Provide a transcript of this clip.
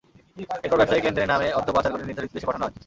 এরপর ব্যবসায়িক লেনদেনের নামে অর্থ পাচার করে নির্ধারিত দেশে পাঠানো হয়।